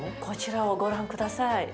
こちらをご覧下さい。